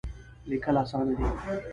لیکل اسانه دی.